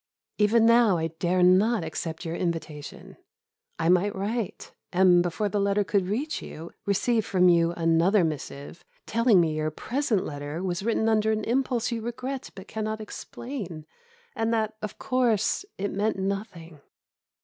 Even now I dare not accept your invitation. I might write, and, before the letter could reach you, receive from you another missive, telling me your present letter was written under an impulse you regret but cannot explain, and that of course it meant nothing.